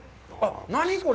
何、これ！？